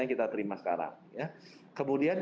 yang kita terima sekarang kemudian